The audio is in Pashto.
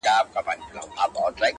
o غل په غره کي نه ځائېږي!